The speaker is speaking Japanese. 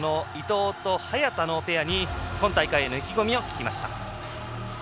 伊藤と早田のペアに今大会への意気込みを聞きました。